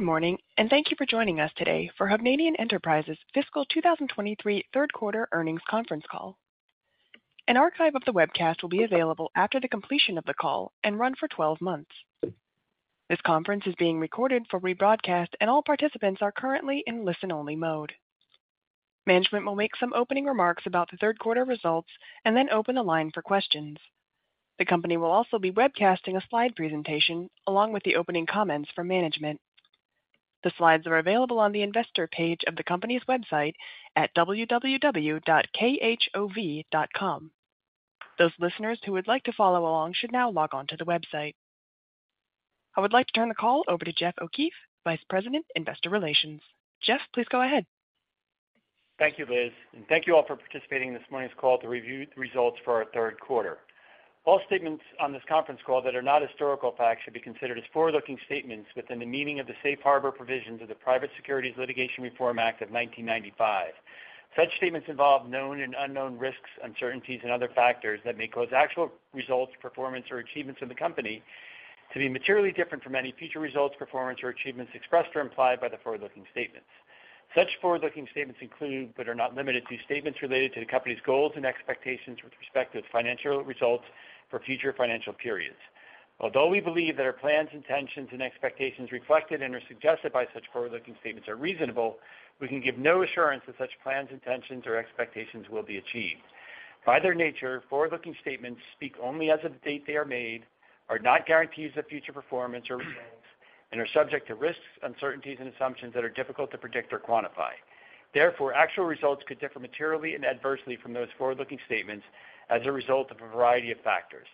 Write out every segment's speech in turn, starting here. Good morning, and thank you for joining us today for Hovnanian Enterprises fiscal 2023 Q3 earnings conference call. An archive of the webcast will be available after the completion of the call and run for 12 months. This conference is being recorded for rebroadcast, and all participants are currently in listen-only mode. Management will make some opening remarks about the Q3 results and then open the line for questions. The company will also be webcasting a slide presentation along with the opening comments from management. The slides are available on the investor page of the company's website at www.khov.com. Those listeners who would like to follow along should now log on to the website. I would like to turn the call over Jeff O'Keefe, Vice President, Investor Relations. Jeff O'Keefe, please go ahead. Thank you, Liz, and thank you all for participating in this morning's call to review the results for our Q3. All statements on this conference call that are not historical facts should be considered as forward-looking statements within the meaning of the Safe Harbor Provisions of the Private Securities Litigation Reform Act of 1995. Such statements involve known and unknown risks, uncertainties, and other factors that may cause actual results, performance, or achievements of the company to be materially different from any future results, performance, or achievements expressed or implied by the forward-looking statements. Such forward-looking statements include, but are not limited to, statements related to the company's goals and expectations with respect to its financial results for future financial periods. Although we believe that our plans, intentions, and expectations reflected and/or suggested by such forward-looking statements are reasonable, we can give no assurance that such plans, intentions, or expectations will be achieved. By their nature, forward-looking statements speak only as of the date they are made, are not guarantees of future performance or results, and are subject to risks, uncertainties, and assumptions that are difficult to predict or quantify. Therefore, actual results could differ materially and adversely from those forward-looking statements as a result of a variety of factors.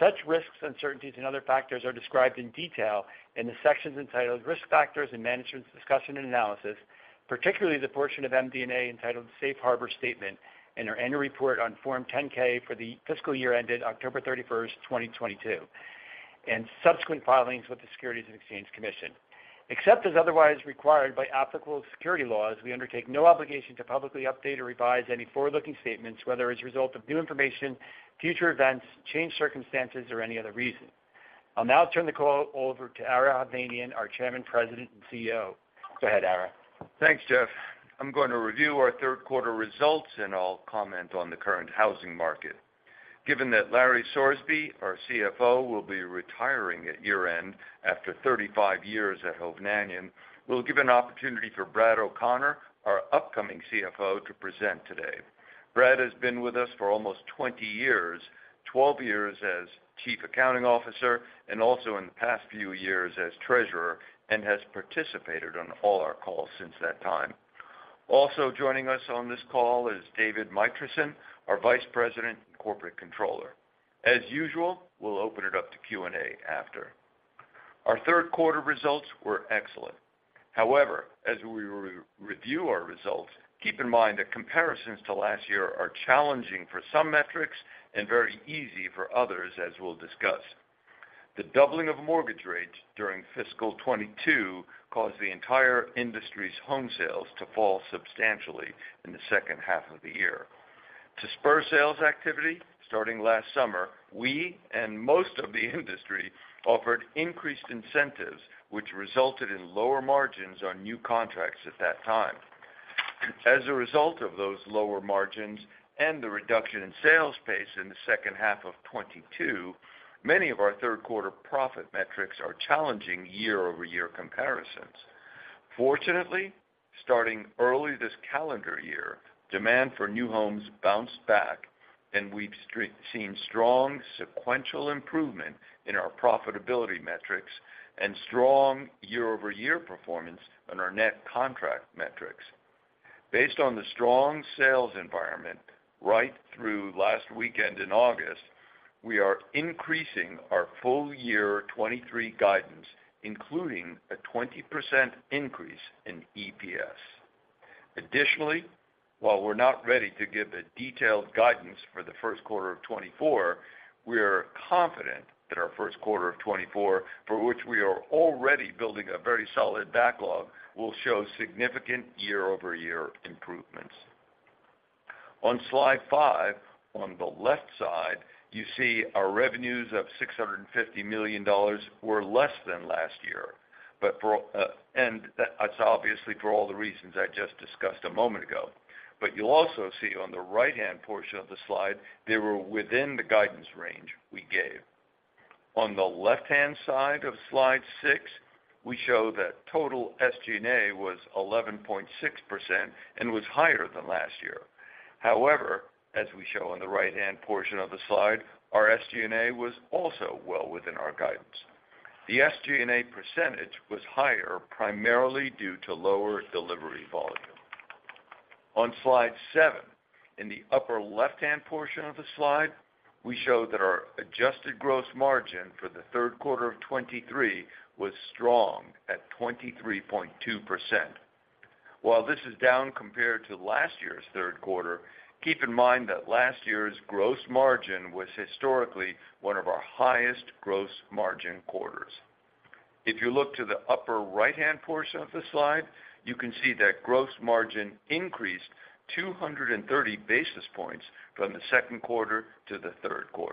Such risks, uncertainties, and other factors are described in detail in the sections entitled Risk Factors and Management's Discussion and Analysis, particularly the portion of MD&A entitled Safe Harbor Statement in our annual report on Form 10-K for the fiscal year ended October 31st, 2022, and subsequent filings with the Securities and Exchange Commission. Except as otherwise required by applicable securities laws, we undertake no obligation to publicly update or revise any forward-looking statements, whether as a result of new information, future events, changed circumstances, or any other reason. I'll now turn the call over Ara Hovnanian, our Chairman, President, and CEO. Go ahead, Ara Hovnanian. Thanks, Jeff O'Keefe. I'm going to review our Q3 results, and I'll comment on the current housing market. Given that Larry Sorsby, our CFO, will be retiring at year-end after 35 years at Hovnanian, we'll give an opportunity Brad O'Connor, our upcoming CFO, to present today. Brad O'Connor has been with us for almost 20 years, 12 years as Chief Accounting Officer and also in the past few years as Treasurer, and has participated on all our calls since that time. Also joining us on this call is David Mitrisin, our Vice President and Corporate Controller. As usual, we'll open it up to Q&A after. Our Q3 results were excellent. However, as we re-review our results, keep in mind that comparisons to last year are challenging for some metrics and very easy for others, as we'll discuss. The doubling of mortgage rates during fiscal 2022 caused the entire industry's home sales to fall substantially in the H2 of the year. To spur sales activity, starting last summer, we and most of the industry offered increased incentives, which resulted in lower margins on new contracts at that time. As a result of those lower margins and the reduction in sales pace in the H2 of 2022, many of our Q3 profit metrics are challenging year-over-year comparisons. Fortunately, starting early this calendar year, demand for new homes bounced back, and we've seen strong sequential improvement in our profitability metrics and strong year-over-year performance on our net contract metrics. Based on the strong sales environment right through last weekend in August, we are increasing our full year 2023 guidance, including a 20% increase in EPS. Additionally, while we're not ready to give a detailed guidance for the Q1 of 2024, we are confident that our Q1 of 2024, for which we are already building a very solid backlog, will show significant year-over-year improvements. On slide five, on the left side, you see our revenues of $650 million were less than last year, but for, and that's obviously for all the reasons I just discussed a moment ago. But you'll also see on the right-hand portion of the slide, they were within the guidance range we gave. On the left-hand side of slide six, we show that total SG&A was 11.6% and was higher than last year. However, as we show on the right-hand portion of the slide, our SG&A was also well within our guidance. The SG&A percentage was higher, primarily due to lower delivery volume. On slide seven, in the upper left-hand portion of the slide, we show that our adjusted gross margin for the Q3 of 2023 was strong at 23.2%. While this is down compared to last year's Q3, keep in mind that last year's gross margin was historically one of our highest gross margin quarters. If you look to the upper right-hand portion of the slide, you can see that gross margin increased 230 basis points from the Q2 to the Q3.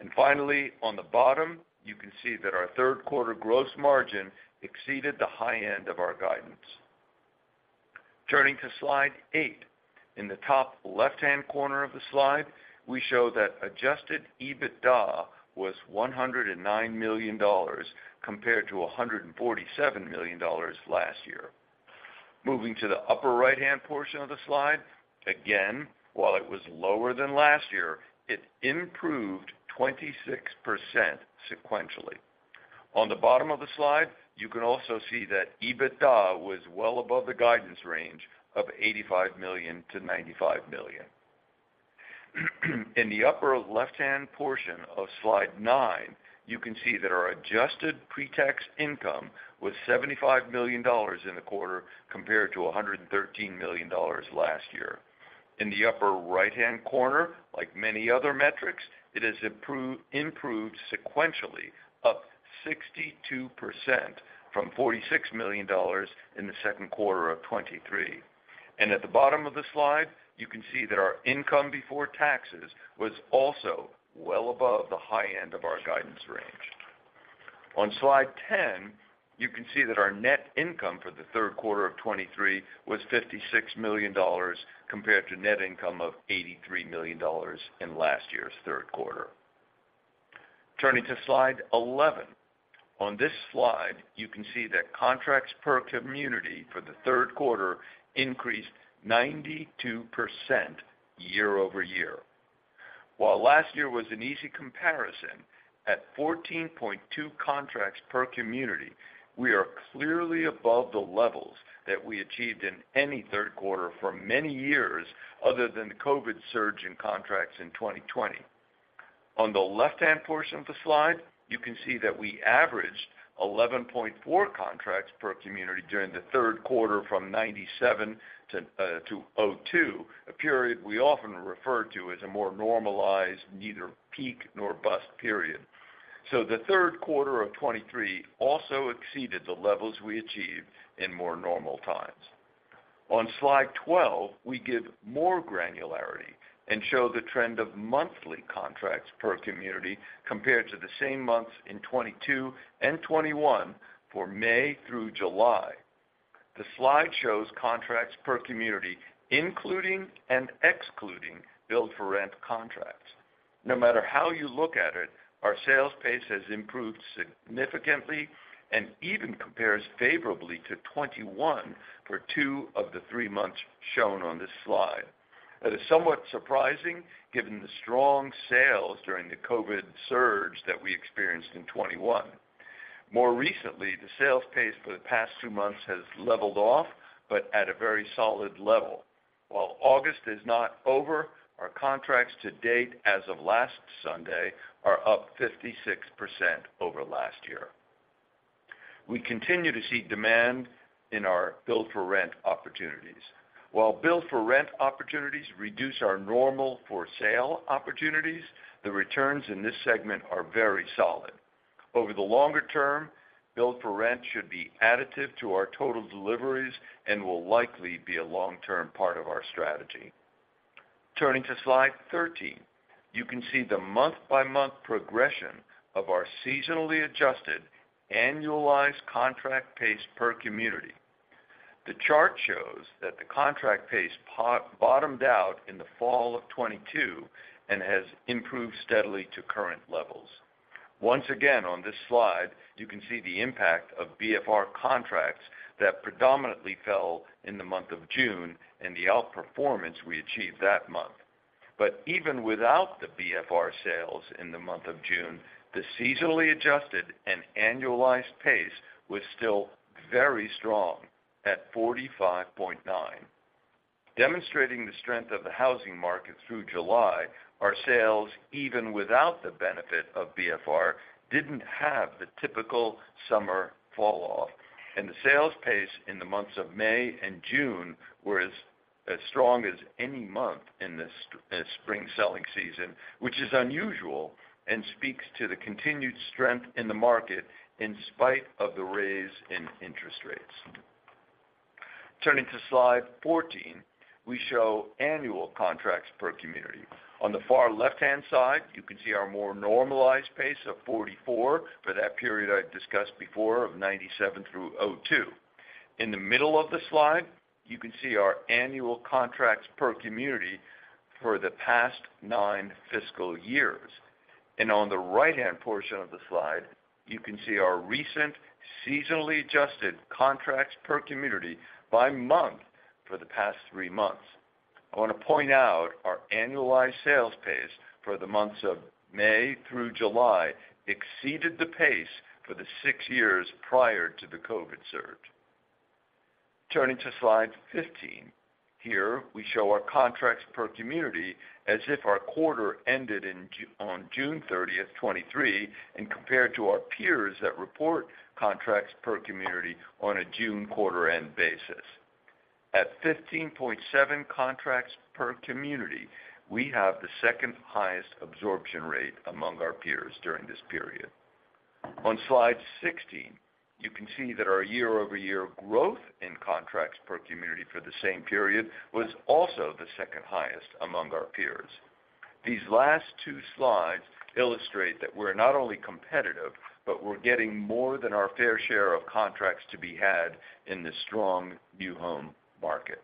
And finally, on the bottom, you can see that our Q3 gross margin exceeded the high-end of our guidance. Turning to Slide eight. In the top left-hand corner of the slide, we show that Adjusted EBITDA was $109 million, compared to $147 million last year. Moving to the upper right-hand portion of the slide, again, while it was lower than last year, it improved 26% sequentially. On the bottom of the slide, you can also see that EBITDA was well above the guidance range of $85 million-$95 million. In the upper left-hand portion of Slide nine, you can see that our adjusted pre-tax income was $75 million in the quarter, compared to $113 million last year. In the upper right-hand corner, like many other metrics, it has improved, improved sequentially, up 62% from $46 million in the Q2 of 2023. At the bottom of the slide, you can see that our income before taxes was also well above the high-end of our guidance range. On Slide 10, you can see that our net income for the Q3 of 2023 was $56 million, compared to net income of $83 million in last year's Q3. Turning to Slide 11. On this slide, you can see that contracts per community for the Q3 increased 92% year-over-year. While last year was an easy comparison, at 14.2 contracts per community, we are clearly above the levels that we achieved in any Q3 for many years, other than the COVID surge in contracts in 2020. On the left-hand portion of the slide, you can see that we averaged 11.4 contracts per community during the Q3 from 1997 to 2002, a period we often refer to as a more normalized, neither peak nor bust period. The Q3 of 2023 also exceeded the levels we achieved in more normal times. On Slide 12, we give more granularity and show the trend of monthly contracts per community compared to the same months in 2022 and 2021 for May through July. The slide shows contracts per community, including and excluding build-for-rent contracts. No matter how you look at it, our sales pace has improved significantly and even compares favorably to 2021 for two of the three months shown on this slide. That is somewhat surprising, given the strong sales during the COVID surge that we experienced in 2021. More recently, the sales pace for the past two months has leveled off, but at a very solid level. While August is not over, our contracts to date as of last Sunday are up 56% over last year. We continue to see demand in our build-for-rent opportunities. While build-for-rent opportunities reduce our normal for sale opportunities, the returns in this segment are very solid. Over the longer-term, build-for-rent should be additive to our total deliveries and will likely be a long-term part of our strategy. Turning to Slide 13, you can see the month-by-month progression of our seasonally adjusted annualized contract pace per community. The chart shows that the contract pace bottomed out in the fall of 2022 and has improved steadily to current levels. Once again, on this slide, you can see the impact of BFR contracts that predominantly fell in the month of June and the outperformance we achieved that month. But even without the BFR sales in the month of June, the seasonally adjusted and annualized pace was still very strong at 45.9. Demonstrating the strength of the housing market through July, our sales, even without the benefit of BFR, didn't have the typical summer falloff, and the sales pace in the months of May and June were as, as strong as any month in the spring selling season, which is unusual and speaks to the continued strength in the market in spite of the raise in interest rates. Turning to Slide 14, we show annual contracts per community. On the far left-hand side, you can see our more normalized pace of 44 for that period I discussed before of 1997 through 2002. In the middle of the slide, you can see our annual contracts per community for the past nine fiscal years. On the right-hand portion of the slide, you can see our recent seasonally adjusted contracts per community by month for the past three months. I want to point out our annualized sales pace for the months of May through July exceeded the pace for the six years-prior to the COVID surge. Turning to Slide 15. Here, we show our contracts per community as if our quarter-ended on June 30, 2023, and compared to our peers that report contracts per community on a June quarter-end basis. At 15.7 contracts per community, we have the second highest absorption rate among our peers during this period. On slide 16, you can see that our year-over-year growth in contracts per community for the same period was also the second highest among our peers. These last two slides illustrate that we're not only competitive, but we're getting more than our fair share of contracts to be had in this strong new home market.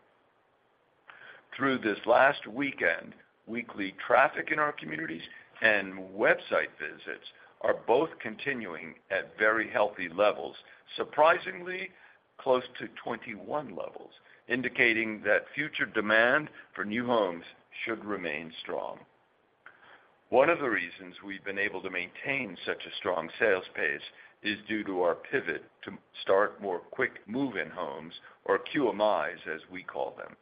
Through this last weekend, weekly traffic in our communities and website visits are both continuing at very healthy levels, surprisingly close to 2021 levels, indicating that future demand for new homes should remain strong. One of the reasons we've been able to maintain such a strong sales pace is due to our pivot to start more Quick Move-In homes, or QMIs, as we call them.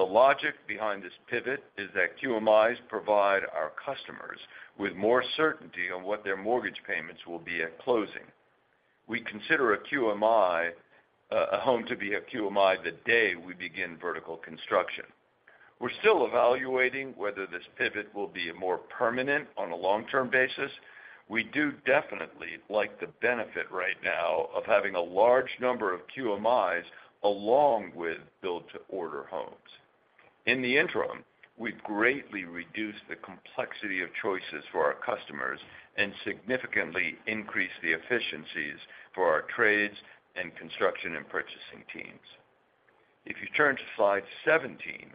The logic behind this pivot is that QMIs provide our customers with more certainty on what their mortgage payments will be at closing. We consider a QMI, a home to be a QMI the day we begin vertical construction. We're still evaluating whether this pivot will be more permanent on a long-term basis. We do definitely like the benefit right now of having a large number of QMIs along with build-to-order homes. In the interim, we've greatly reduced the complexity of choices for our customers and significantly increased the efficiencies for our trades and construction and purchasing teams. If you turn to slide 17,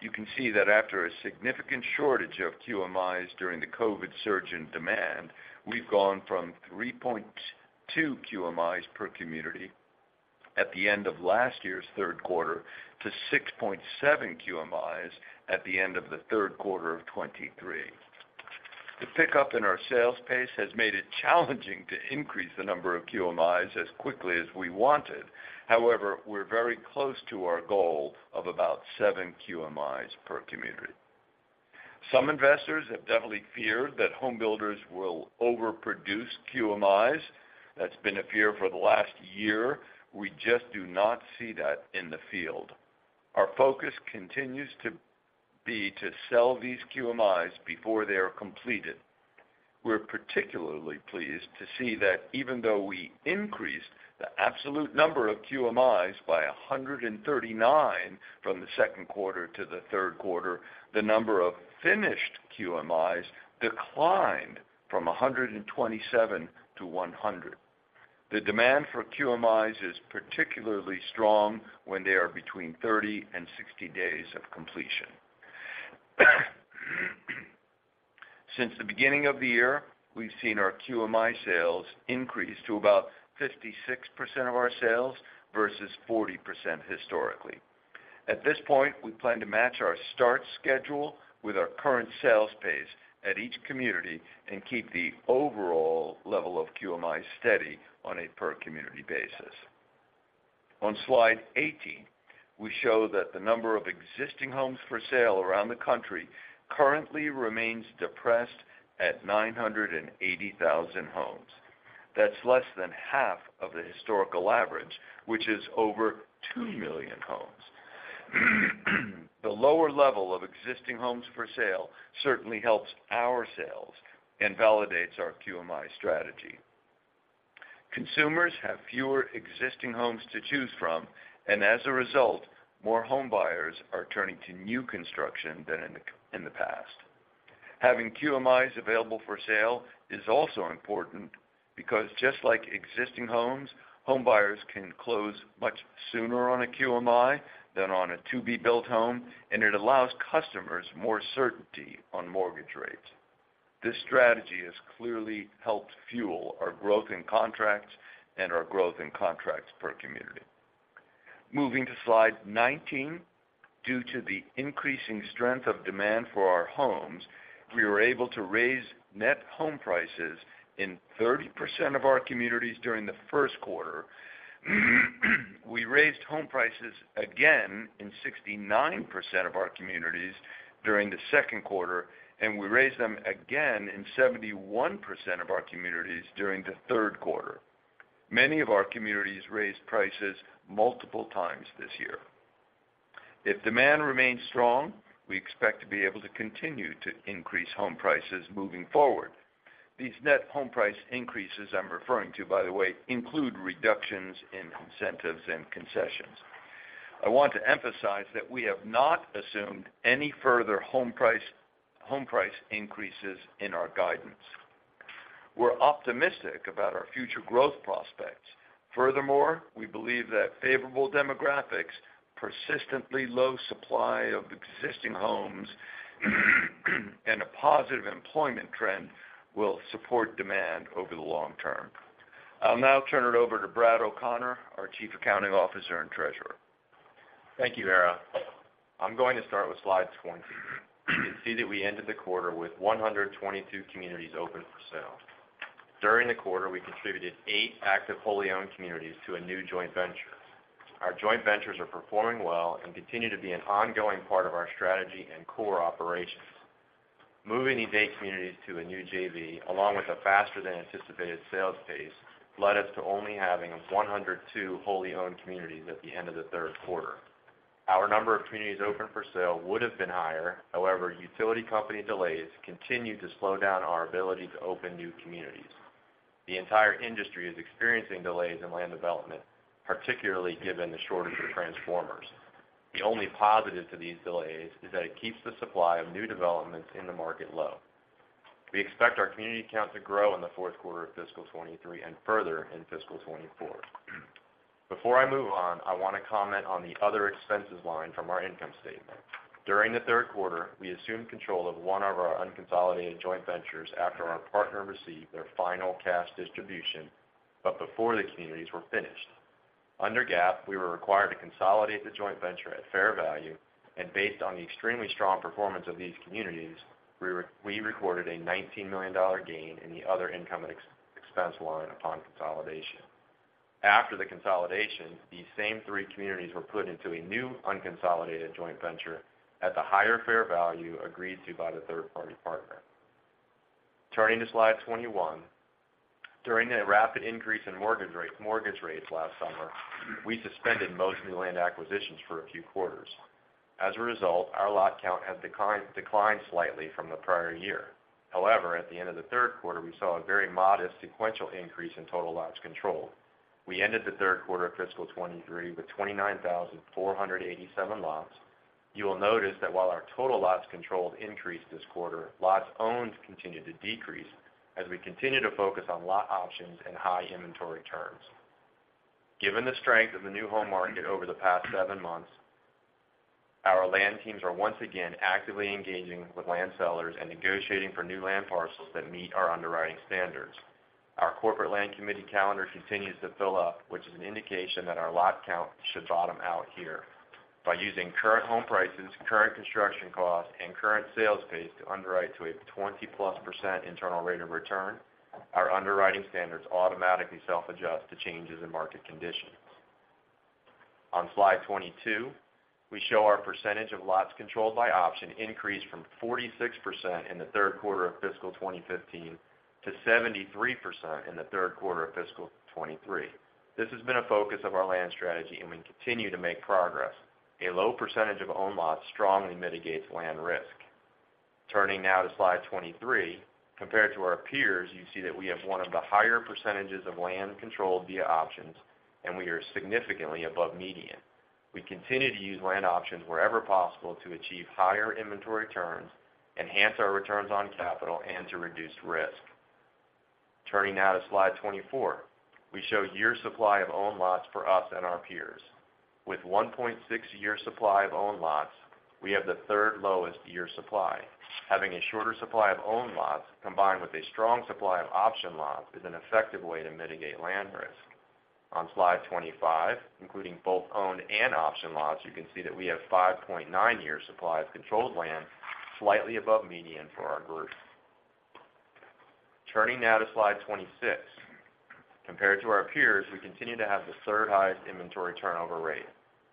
you can see that after a significant shortage of QMIs during the COVID surge in demand, we've gone from 3.2 QMIs per community at the end of last year's Q3 to 6.7 QMIs at the end of the Q3 of 2023. The pickup in our sales pace has made it challenging to increase the number of QMIs as quickly as we wanted. However, we're very close to our goal of about seven QMIs per community. Some investors have definitely feared that homebuilders will overproduce QMIs. That's been a fear for the last year. We just do not see that in the field. Our focus continues to be to sell these QMIs before they are completed. We're particularly pleased to see that even though we increased the absolute number of QMIs by 139 from the Q2 to the Q3, the number of finished QMIs declined from 127 to 100. The demand for QMIs is particularly strong when they are between 30 days and 60 days of completion. Since the beginning of the year, we've seen our QMI sales increase to about 56% of our sales versus 40% historically. At this point, we plan to match our start schedule with our current sales pace at each community and keep the overall level of QMI steady on a per-community basis. On slide 18, we show that the number of existing homes for sale around the country currently remains depressed at 980,000 homes. That's less than half of the historical average, which is over 2 million homes. The lower level of existing homes for sale certainly helps our sales and validates our QMI strategy. Consumers have fewer existing homes to choose from, and as a result, more home buyers are turning to new construction than in the past. Having QMIs available for sale is also important because, just like existing homes, home buyers can close much sooner on a QMI than on a to-be-built home, and it allows customers more certainty on mortgage rates. This strategy has clearly helped fuel our growth in contracts and our growth in contracts per community. Moving to slide 19, due to the increasing strength of demand for our homes, we were able to raise net home prices in 30% of our communities during the Q1. We raised home prices again in 69% of our communities during the Q2, and we raised them again in 71% of our communities during the Q3. Many of our communities raised prices multiple times this year. If demand remains strong, we expect to be able to continue to increase home prices moving forward. These net home price increases I'm referring to, by the way, include reductions in incentives and concessions. I want to emphasize that we have not assumed any further home price, home price increases in our guidance. We're optimistic about our future growth prospects. Furthermore, we believe that favorable demographics, persistently low supply of existing homes, and a positive employment trend will support demand over the long term. I'll now turn it over Brad O'Connor, our Chief Accounting Officer and Treasurer. Thank you, Ara Hovnanian. I'm going to start with slide 20. You can see that we ended the quarter with 122 communities open for sale. During the quarter, we contributed eight active wholly-owned communities to a new joint venture. Our joint ventures are performing well and continue to be an ongoing part of our strategy and core operations. Moving these eight communities to a new JV, along with a faster-than-anticipated sales pace led us to only having 102 wholly owned communities at the end of the Q3. Our number of communities open for sale would have been higher, however, utility company delays continued to slow down our ability to open new communities. The entire industry is experiencing delays in land development, particularly given the shortage of transformers. The only positive to these delays is that it keeps the supply of new developments in the market low. We expect our community count to grow in the Q4 of fiscal 2023 and further in fiscal 2024. Before I move on, I want to comment on the other expenses line from our income statement. During the Q3, we assumed control of one of our unconsolidated joint ventures after our partner received their final cash distribution, but before the communities were finished. Under GAAP, we were required to consolidate the joint venture at fair value, and based on the extremely strong performance of these communities, we recorded a $19 million gain in the other income and expense line upon consolidation. After the consolidation, these same three communities were put into a new, unconsolidated joint venture at the higher fair value agreed to by the third-party partner. Turning to slide 21. During the rapid increase in mortgage rates last summer, we suspended most new land acquisitions for a few quarters. As a result, our lot count has declined slightly from the prior year. However, at the end of the Q3, we saw a very modest sequential increase in total lots controlled. We ended the Q3 of fiscal 2023 with 29,487 lots. You will notice that while our total lots controlled increased this quarter, lots owned continued to decrease as we continue to focus on lot options and high inventory turns. Given the strength of the new home market over the past seven months, our land teams are once again actively engaging with land sellers and negotiating for new land parcels that meet our underwriting standards. Our corporate land committee calendar continues to fill up, which is an indication that our lot count should bottom out here. By using current home prices, current construction costs, and current sales pace to underwrite to a 20%+ internal rate of return, our underwriting standards automatically self-adjust to changes in market conditions. On slide 22, we show our percentage of lots controlled by option increased from 46% in the Q3 of fiscal 2015 to 73% in the Q3 of fiscal 2023. This has been a focus of our land strategy, and we continue to make progress. A low percentage of owned lots strongly mitigates land risk. Turning now to slide 23. Compared to our peers, you see that we have one of the higher percentages of land controlled via options, and we are significantly above median. We continue to use land options wherever possible to achieve higher inventory turns, enhance our returns on capital, and to reduce risk. Turning now to slide 24. We show year supply of owned lots for us and our peers. With 1.6 year supply of owned lots, we have the third lowest year supply. Having a shorter supply of owned lots, combined with a strong supply of option lots, is an effective way to mitigate land risk. On slide 25, including both owned and option lots, you can see that we have 5.9 year supply of controlled land, slightly above median for our group. Turning now to slide 26. Compared to our peers, we continue to have the third-highest inventory turnover rate.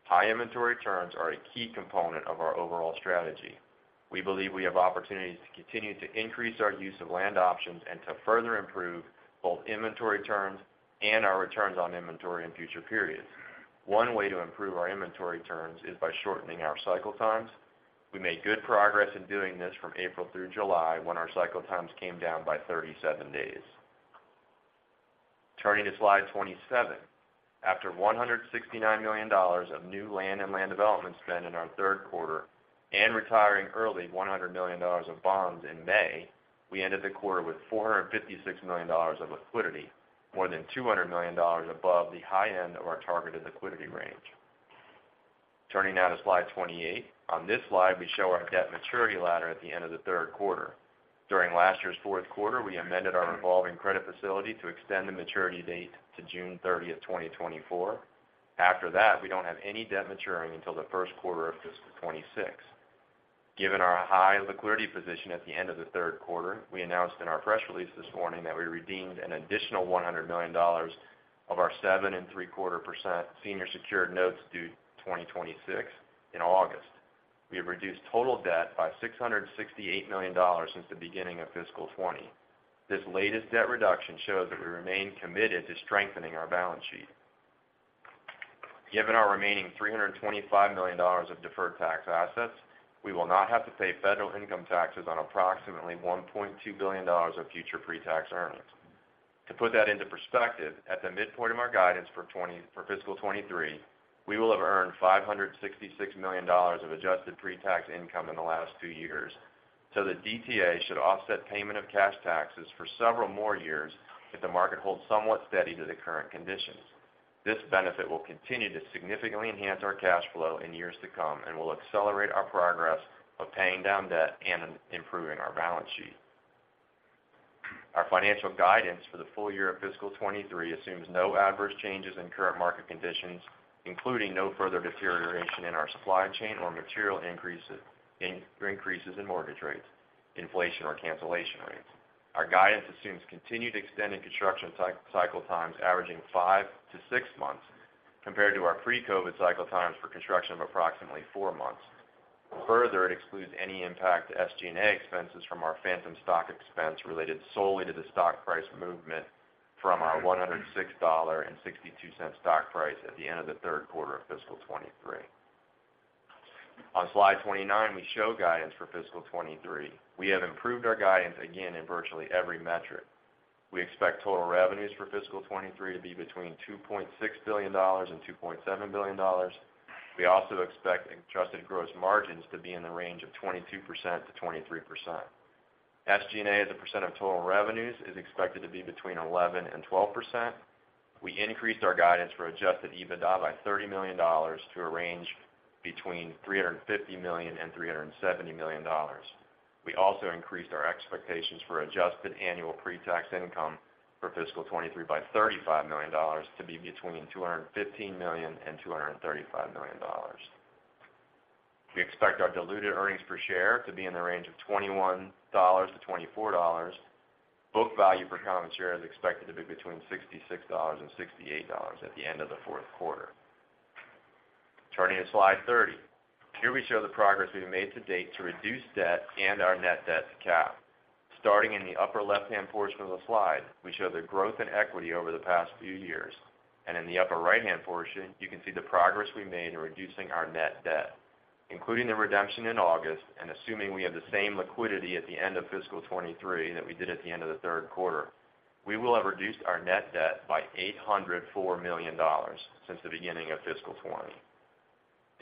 High inventory turns are a key component of our overall strategy. We believe we have opportunities to continue to increase our use of land options and to further improve both inventory turns and our returns on inventory in future periods. One way to improve our inventory turns is by shortening our cycle times. We made good progress in doing this from April through July, when our cycle times came down by 37 days. Turning to slide 27. After $169 million of new land and land development spend in our Q3 and retiring early $100 million of bonds in May, we ended the quarter with $456 million of liquidity, more than $200 million above the high-end of our targeted liquidity range. Turning now to slide 28. On this slide, we show our debt maturity ladder at the end of the Q3. During last year's Q4, we amended our revolving credit facility to extend the maturity date to June 30, 2024. After that, we don't have any debt maturing until the Q1 of fiscal 2026. Given our high liquidity position at the end of the Q3, we announced in our press release this morning that we redeemed an additional $100 million of our 7.75% senior secured notes due 2026 in August. We have reduced total debt by $668 million since the beginning of fiscal 2020. This latest debt reduction shows that we remain committed to strengthening our balance sheet. Given our remaining $325 million of deferred tax assets, we will not have to pay federal income taxes on approximately $1.2 billion of future pre-tax earnings. To put that into perspective, at the midpoint of our guidance for 2024 for fiscal 2023, we will have earned $566 million of adjusted pre-tax income in the last two years, so the DTA should offset payment of cash taxes for several more years if the market holds somewhat steady to the current conditions. This benefit will continue to significantly enhance our cash flow in years to come and will accelerate our progress of paying down debt and improving our balance sheet. Our financial guidance for the full year of fiscal 2023 assumes no adverse changes in current market conditions, including no further deterioration in our supply chain or material increases in mortgage rates, inflation, or cancellation rates. Our guidance assumes continued extended construction cycle times averaging five months-six months, compared to our pre-COVID cycle times for construction of approximately four months. Further, it excludes any impact to SG&A expenses from our phantom stock expense related solely to the stock price movement from our $106.62 stock price at the end of the Q3 of fiscal 2023. On Slide 29, we show guidance for fiscal 2023. We have improved our guidance again in virtually every metric. We expect total revenues for fiscal 2023 to be between $2.6 billion and $2.7 billion. We also expect adjusted gross margins to be in the range of 22%-23%. SG&A, as a percent of total revenues, is expected to be between 11% and 12%. We increased our guidance for Adjusted EBITDA by $30 million to a range between $350 million and $370 million. We also increased our expectations for adjusted annual pre-tax income for fiscal 2023 by $35 million to be between $215 million and $235 million. We expect our diluted earnings per share to be in the range of $21-$24. Book value per common share is expected to be between $66-$68 at the end of the Q4. Turning to Slide 30. Here we show the progress we have made to date to reduce debt and our net debt to cap. Starting in the upper left-hand portion of the slide, we show the growth in equity over the past few years, and in the upper right-hand portion, you can see the progress we made in reducing our net debt, including the redemption in August, and assuming we have the same liquidity at the end of fiscal 2023 that we did at the end of the Q3, we will have reduced our net debt by $804 million since the beginning of fiscal 2020.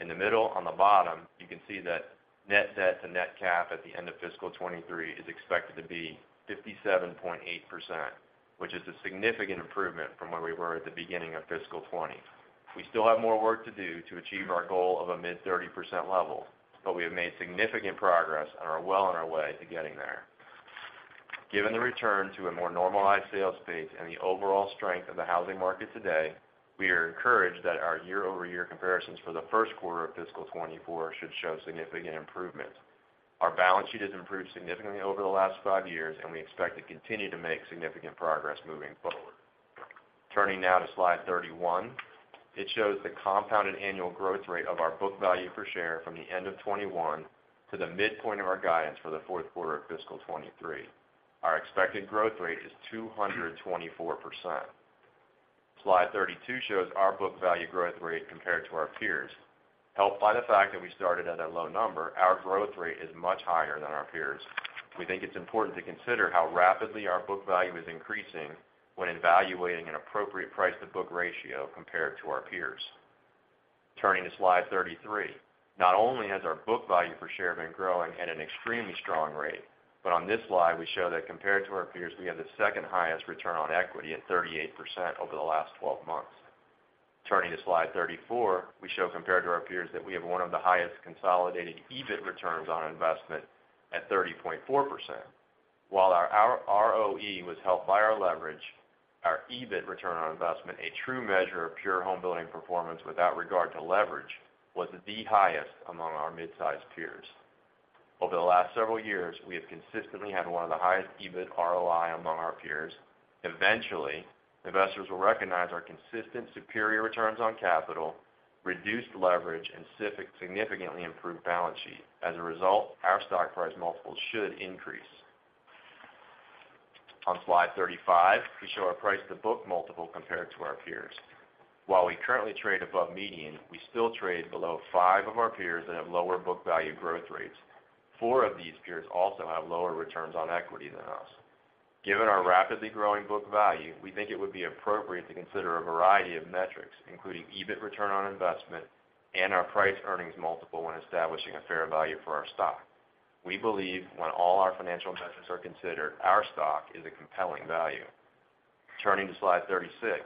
In the middle, on the bottom, you can see that net debt to net cap at the end of fiscal 2023 is expected to be 57.8%, which is a significant improvement from where we were at the beginning of fiscal 2020. We still have more work to do to achieve our goal of a mid-30% level, but we have made significant progress and are well on our way to getting there. Given the return to a more normalized sales pace and the overall strength of the housing market today, we are encouraged that our year-over-year comparisons for the Q1 of fiscal 2024 should show significant improvement. Our balance sheet has improved significantly over the last five years, and we expect to continue to make significant progress moving forward. Turning now to Slide 31, it shows the compounded annual growth rate of our book value per share from the end of 2021 to the midpoint of our guidance for the Q4 of fiscal 2023. Our expected growth rate is 224%. Slide 32 shows our book value growth rate compared to our peers. Helped by the fact that we started at a low number, our growth rate is much higher than our peers. We think it's important to consider how rapidly our book value is increasing when evaluating an appropriate price-to-book ratio compared to our peers. Turning to Slide 33, not only has our book value per share been growing at an extremely strong rate, but on this slide, we show that compared to our peers, we have the second-highest return on equity at 38% over the last 12 months. Turning to Slide 34, we show, compared to our peers, that we have one of the highest consolidated EBIT returns on investment at 30.4%. While our ROE was helped by our leverage, our EBIT return on investment, a true measure of pure homebuilding performance without regard to leverage, was the highest among our mid-sized peers. Over the last several years, we have consistently had one of the highest EBIT ROI among our peers. Eventually, investors will recognize our consistent superior returns on capital, reduced leverage, and significantly improved balance sheet. As a result, our stock price multiple should increase. On Slide 35, we show our price-to-book multiple compared to our peers. While we currently trade above median, we still trade below five of our peers that have lower book value growth rates. Four of these peers also have lower returns on equity than us. Given our rapidly growing book value, we think it would be appropriate to consider a variety of metrics, including EBIT return on investment and our price earnings multiple when establishing a fair value for our stock. We believe when all our financial metrics are considered, our stock is a compelling value. Turning to Slide 36.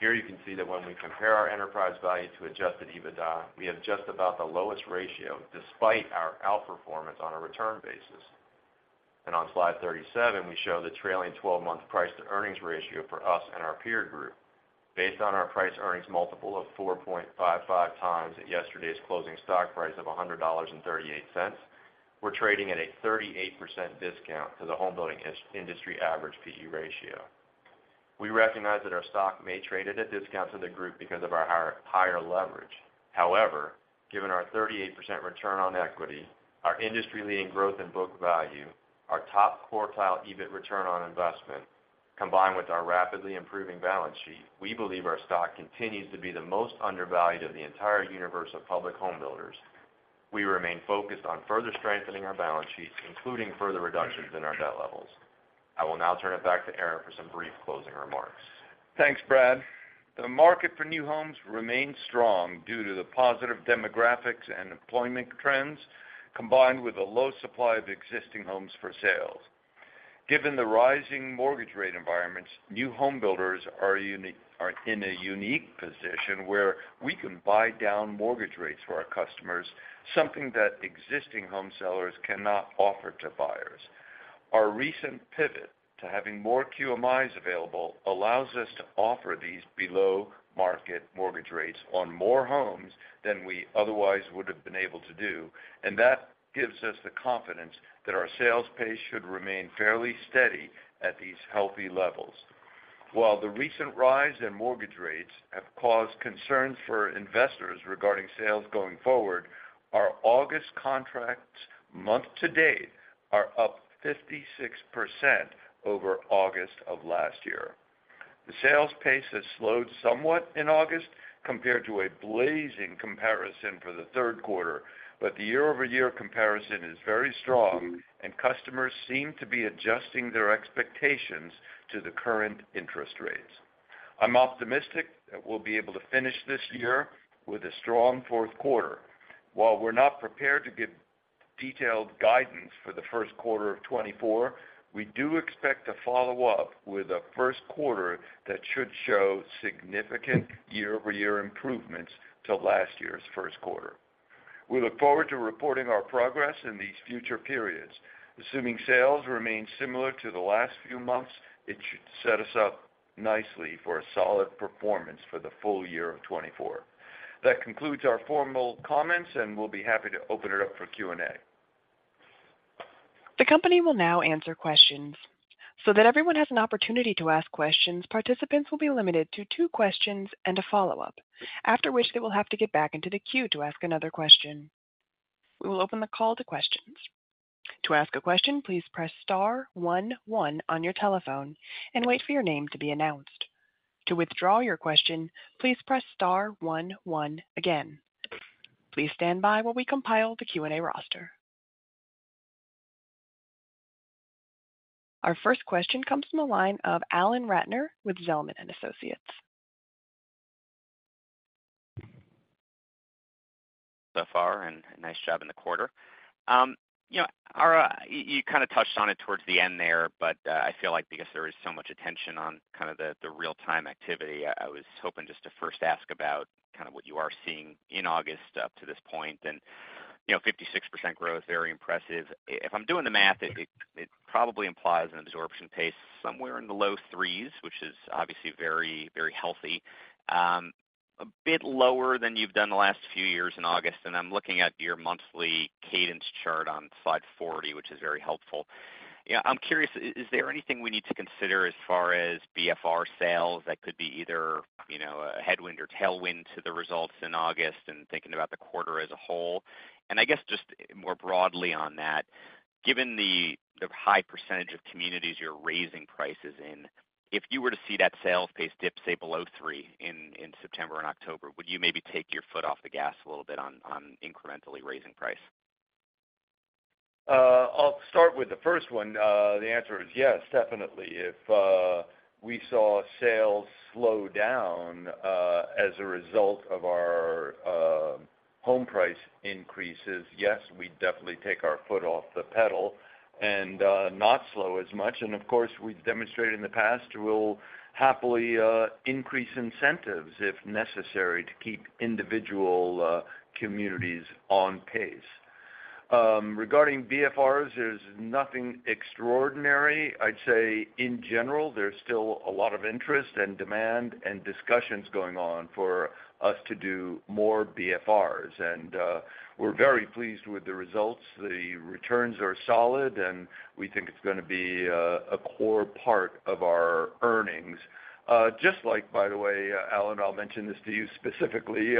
Here you can see that when we compare our enterprise value to Adjusted EBITDA, we have just about the lowest ratio despite our outperformance on a return basis. On Slide 37, we show the trailing twelve-month price-to-earnings ratio for us and our peer group. Based on our price-earnings multiple of 4.55x at yesterday's closing stock price of $100.38, we're trading at a 38% discount to the homebuilding industry average PE ratio. We recognize that our stock may trade at a discount to the group because of our higher, higher leverage. However, given our 38% return on equity, our industry-leading growth in book value, our top-quartile EBIT return on investment, combined with our rapidly improving balance sheet, we believe our stock continues to be the most undervalued of the entire universe of public home builders. We remain focused on further strengthening our balance sheets, including further reductions in our debt levels. I will now turn it back to Ara Hovnanian for some brief closing remarks. Thanks, Brad O'Connor. The market for new homes remains strong due to the positive demographics and employment trends, combined with a low supply of existing homes for sale. Given the rising mortgage rate environments, new home builders are in a unique position where we can buy down mortgage rates for our customers, something that existing home sellers cannot offer to buyers. Our recent pivot to having more QMIs available allows us to offer these below-market mortgage rates on more homes than we otherwise would have been able to do, and that gives us the confidence that our sales pace should remain fairly steady at these healthy levels. While the recent rise in mortgage rates have caused concern for investors regarding sales going forward, our August contracts month to date are up 56% over August of last year. The sales pace has slowed somewhat in August compared to a blazing comparison for the Q3, but the year-over-year comparison is very strong, and customers seem to be adjusting their expectations to the current interest rates. I'm optimistic that we'll be able to finish this year with a strong Q4. While we're not prepared to give detailed guidance for the Q1 of 2024, we do expect to follow up with a Q1 that should show significant year-over-year improvements to last year's Q1. We look forward to reporting our progress in these future periods. Assuming sales remain similar to the last few months, it should set us up nicely for a solid performance for the full year of 2024. That concludes our formal comments, and we'll be happy to open it up for Q&A. The company will now answer questions. So that everyone has an opportunity to ask questions, participants will be limited to two questions and a follow-up, after which they will have to get back into the queue to ask another question. We will open the call to questions. To ask a question, please press star one one on your telephone and wait for your name to be announced. To withdraw your question, please press star one one again. Please stand by while we compile the Q&A roster. Our first question comes from the line of Alan Ratner with Zelman & Associates. So far, and nice job in the quarter. You know, Ara Hovnanian, you kind of touched on it towards the end there, but I feel like because there is so much attention on kind of the real-time activity, I was hoping just to first ask about kind of what you are seeing in August up to this point. And, you know, 56% growth, very impressive. If I'm doing the math, it probably implies an absorption pace somewhere in the low threes, which is obviously very, very healthy. A bit lower than you've done the last few years in August, and I'm looking at your monthly cadence chart on slide 40, which is very helpful. Yeah, I'm curious, is there anything we need to consider as far as BFR sales that could be either, you know, a headwind or tailwind to the results in August and thinking about the quarter as a whole? And I guess just more broadly on that, given the high percentage of communities you're raising prices in, if you were to see that sales pace dip, say, below three in September and October, would you maybe take your foot off the gas a little bit on incrementally raising price? I'll start with the first one. The answer is yes, definitely. If we saw sales slow down as a result of our home price increases, yes, we'd definitely take our foot off the pedal and not slow as much. And of course, we've demonstrated in the past, we'll happily increase incentives, if necessary, to keep individual communities on pace. Regarding BFRs, there's nothing extraordinary. I'd say in general, there's still a lot of interest and demand and discussions going on for us to do more BFRs, and we're very pleased with the results. The returns are solid, and we think it's gonna be a core part of our earnings. Just like, by the way, Alan Ratner, I'll mention this to you specifically.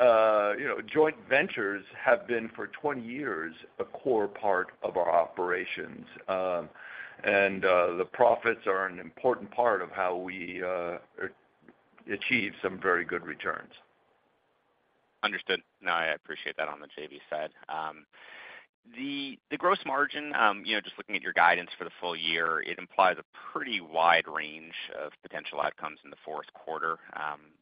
You know, joint ventures have been, for 20 years, a core part of our operations, and the profits are an important part of how we achieve some very good returns. Understood. No, I appreciate that on the JV side. The gross margin, you know, just looking at your guidance for the full year, it implies a pretty wide range of potential outcomes in the Q4.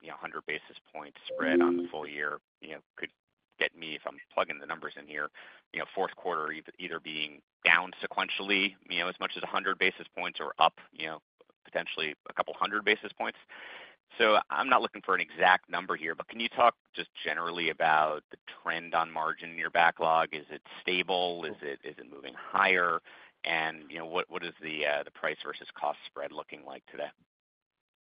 You know, 100 basis points spread on the full year, you know, could get me, if I'm plugging the numbers in here, you know, Q4 either being down sequentially, you know, as much as 100 basis points or up, you know, potentially a couple hundred basis points. So I'm not looking for an exact number here, but can you talk just generally about the trend on margin in your backlog? Is it stable? Is it moving higher? And, you know, what is the price versus cost spread looking like today?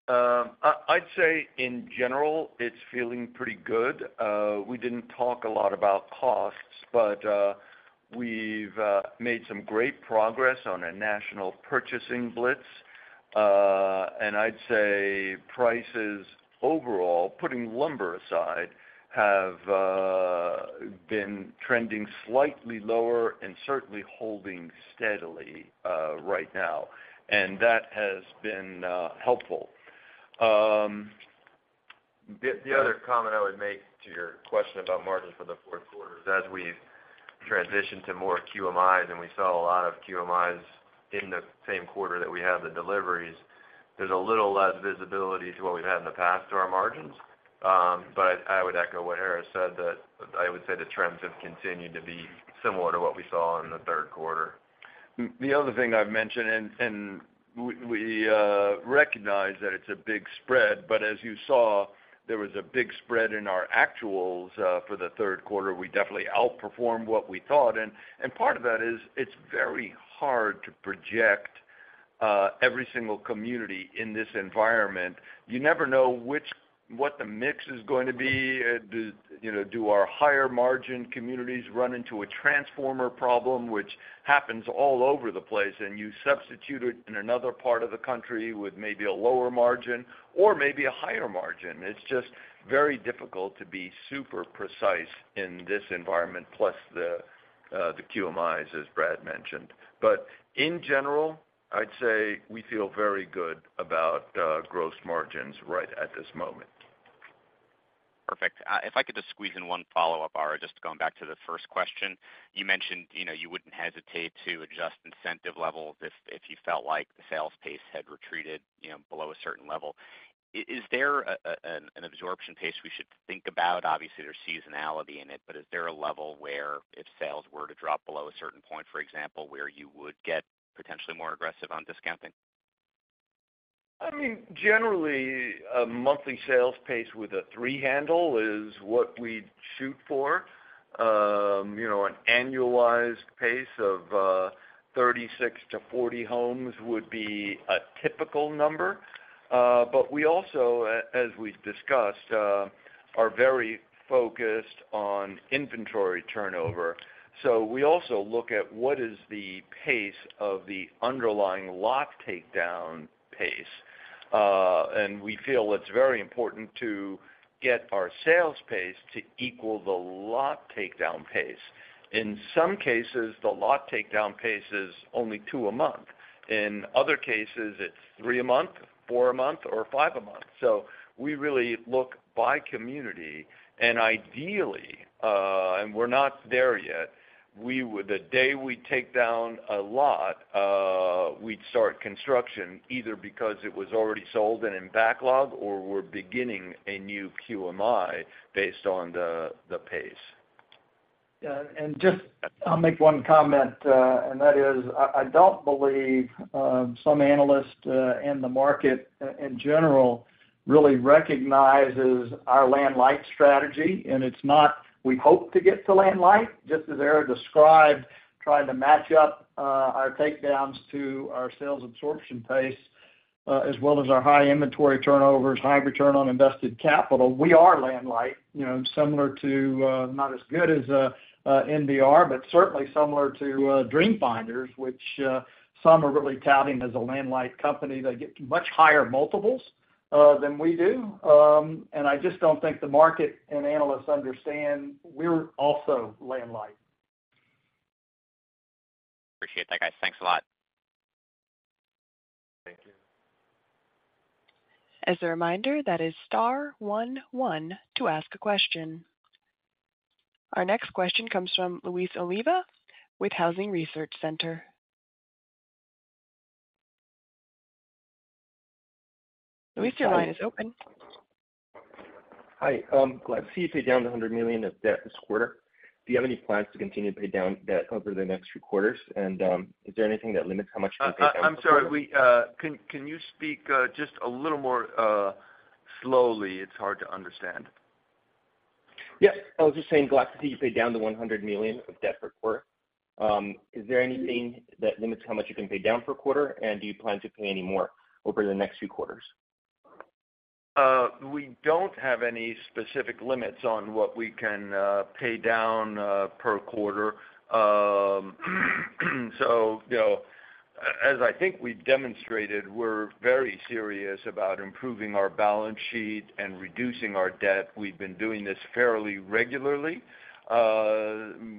I'd say in general, it's feeling pretty good. We didn't talk a lot about costs, but we've made some great progress on a national purchasing blitz. And I'd say prices overall, putting lumber aside, have been trending slightly lower and certainly holding steadily right now, and that has been helpful. The other comment I would make to your question about margin for the Q4 is, as we've transitioned to more QMIs, and we saw a lot of QMIs in the same quarter that we had the deliveries, there's a little less visibility to what we've had in the past to our margins. But I would echo what Harris Simmons said, that I would say the trends have continued to be similar to what we saw in the Q3. The other thing I've mentioned, and we recognize that it's a big spread, but as you saw, there was a big spread in our actuals for the Q3. We definitely outperformed what we thought, and part of that is it's very hard to project every single community in this environment, you never know what the mix is going to be. You know, our higher margin communities run into a transformer problem, which happens all over the place, and you substitute it in another part of the country with maybe a lower margin or maybe a higher margin? It's just very difficult to be super precise in this environment, plus the QMIs, as Brad O'Connor mentioned. But in general, I'd say we feel very good about gross margins right at this moment. Perfect. If I could just squeeze in one follow-up, Ara Hovnanian, just going back to the first question. You mentioned, you know, you wouldn't hesitate to adjust incentive levels if you felt like the sales pace had retreated, you know, below a certain level. Is there an absorption pace we should think about? Obviously, there's seasonality in it, but is there a level where if sales were to drop below a certain point, for example, where you would get potentially more aggressive on discounting? I mean, generally, a monthly sales pace with a three handle is what we'd shoot for. You know, an annualized pace of 36 homes-40 homes would be a typical number. But we also, as we've discussed, are very focused on inventory turnover. So we also look at what is the pace of the underlying lot takedown pace. And we feel it's very important to get our sales pace to equal the lot takedown pace. In some cases, the lot takedown pace is only two a month. In other cases, it's three a month, four a month, or five a month. So we really look by community, and ideally, and we're not there yet, we would the day we take down a lot, we'd start construction, either because it was already sold and in backlog, or we're beginning a new QMI based on the pace. Yeah, and just, I'll make one comment, and that is, I don't believe some analysts in the market in general really recognizes our land light strategy, and it's not, we hope to get to land light, just as Ara Hovnanian described, trying to match up our takedowns to our sales absorption pace, as well as our high inventory turnovers, high return on invested capital. We are land light, you know, similar to, not as good as NVR, but certainly similar to Dream Finders, which some are really touting as a land light company. They get much higher multiples than we do. And I just don't think the market and analysts understand we're also land light. Appreciate that, guys. Thanks a lot. Thank you. As a reminder, that is star one one to ask a question. Our next question comes from Luis Oliva with Housing Research Center. Luis Oliva, your line is open. Hi, glad to see you pay down $100 million of debt this quarter. Do you have any plans to continue to pay down debt over the next few quarters? Is there anything that limits how much you can pay down? I'm sorry. Can you speak just a little more slowly? It's hard to understand. Yes. I was just saying, glad to see you pay down the $100 million of debt per quarter. Is there anything that limits how much you can pay down per quarter? And do you plan to pay any more over the next few quarters? We don't have any specific limits on what we can pay down per quarter. So, you know, as I think we've demonstrated, we're very serious about improving our balance sheet and reducing our debt. We've been doing this fairly regularly.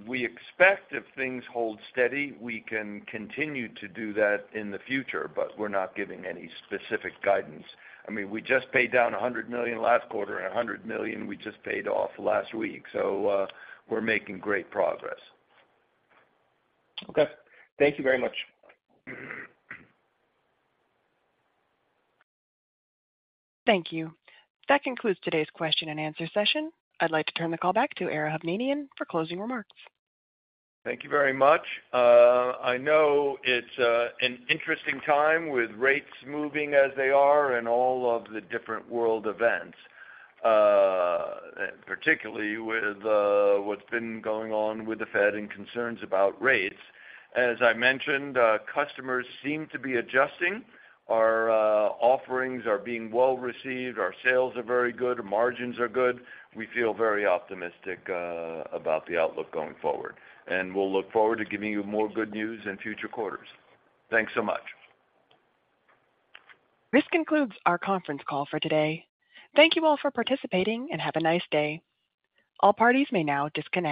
We expect if things hold steady, we can continue to do that in the future, but we're not giving any specific guidance. I mean, we just paid down $100 million last quarter, and $100 million we just paid off last week, so, we're making great progress. Okay. Thank you very much. Thank you. That concludes today's Q&A session. I'd like to turn the call back Ara Hovnanian for closing remarks. Thank you very much. I know it's an interesting time with rates moving as they are and all of the different world events, particularly with what's been going on with the Fed and concerns about rates. As I mentioned, customers seem to be adjusting. Our offerings are being well received. Our sales are very good, margins are good. We feel very optimistic about the outlook going forward, and we'll look forward to giving you more good news in future quarters. Thanks so much. This concludes our conference call for today. Thank you all for participating, and have a nice day. All parties may now disconnect.